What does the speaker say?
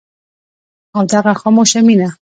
او دغه خاموشه مينه